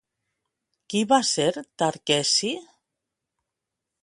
Qui va ser Tarqueci?